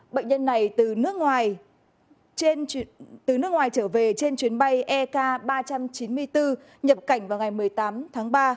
bệnh nhân này từ nước ngoài trở về trên chuyến bay ek ba trăm chín mươi bốn nhập cảnh vào ngày một mươi tám tháng ba